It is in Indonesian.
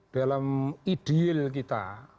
dalam ideal kita